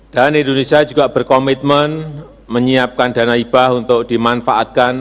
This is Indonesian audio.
dan indonesia juga berkomitmen menyiapkan dana ibah untuk dimanfaatkan